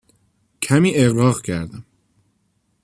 کمی اغراق کردم.